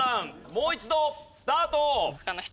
もう一度スタート。